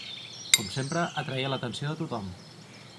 Com sempre, atreia l'atenció de tothom.